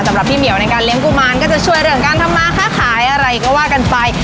สำหรับพี่เหมียวในการเลี้ยกุมารก็จะช่วยเรื่องการทำมาค้าขายอะไรก็ว่ากันไป